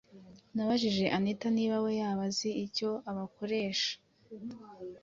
nabajije anita niba we yaba azi icyo abakoresha